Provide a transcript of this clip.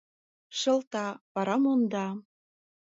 Шылта, вара монда.